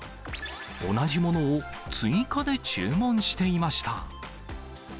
同じものを追加で注文していました。